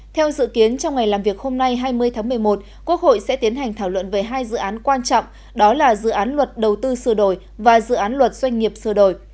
theo dự kiến trong ngày làm việc hôm nay hai mươi tháng một mươi một quốc hội sẽ tiến hành thảo luận về hai dự án quan trọng đó là dự án luật đầu tư sửa đổi và dự án luật doanh nghiệp sửa đổi